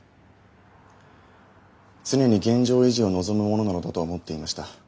常に現状維持を望むものなのだと思っていました。